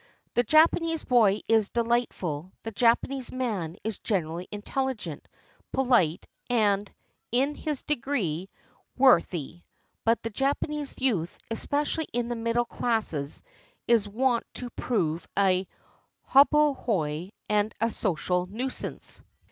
The Japanese boy is dehght ful; the Japanese man is generally intelligent, pohte, and, in his degree, worthy; but the Japanese youth, especially in the middle classes, is wont to prove a hobbledehoy and a social nuisance.